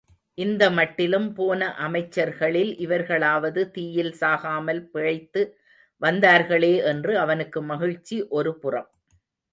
இந்த மட்டிலும், போன அமைச்சர்களில் இவர்களாவது தீயில் சாகாமல் பிழைத்து வந்தார்களே என்று அவனுக்கு மகிழ்ச்சி ஒரு புறம்.